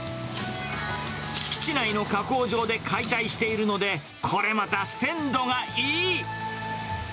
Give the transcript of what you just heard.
敷地内の加工場で解体しているので、これまた鮮度がいい。